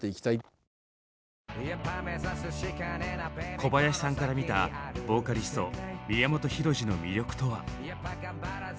小林さんから見たボーカリスト宮本浩次の魅力とは？